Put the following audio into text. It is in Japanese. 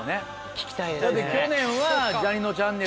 聞きたいですね。